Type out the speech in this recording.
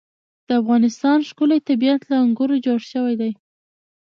د افغانستان ښکلی طبیعت له انګورو جوړ شوی دی.